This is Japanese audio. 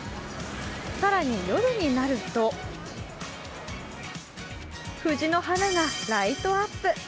更に、夜になると藤の花がライトアップ。